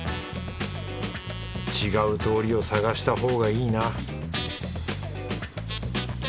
違う通りを探したほうがいいな